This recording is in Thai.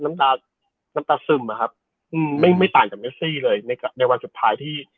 น้ำตาน้ำตาซึมอะครับอืมไม่ไม่ต่างจากเมซี่เลยในในวันสุดท้ายที่